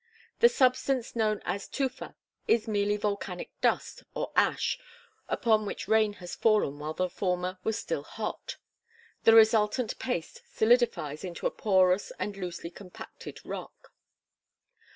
The substance known as tufa is merely volcanic dust or ash upon which rain has fallen while the former was still hot. The resultant paste solidifies into a porous and loosely compacted rock.